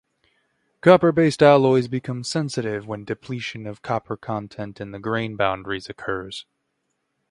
Copper-based alloys become sensitive when depletion of copper content in the grain boundaries occurs.